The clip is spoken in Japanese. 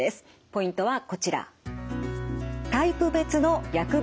ポイントはこちら。